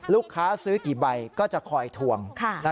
ลูกค้าซื้อกี่ใบก็จะคอยทวง